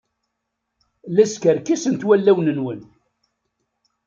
La skerkisent wallen-nwen.